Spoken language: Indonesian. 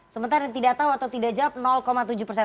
sementara yang tidak tahu atau tidak jawab tujuh persen